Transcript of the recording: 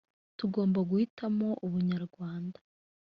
tugomba guhitamo ubunyarwanda.